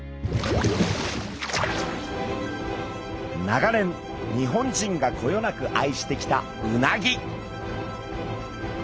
長年日本人がこよなく愛してきたうなぎ。